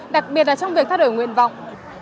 đặc biệt là trong việc thay đổi nguyện vọng